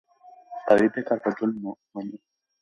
قوي فکر بدلون مني